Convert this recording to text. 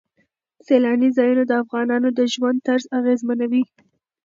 سیلاني ځایونه د افغانانو د ژوند طرز اغېزمنوي.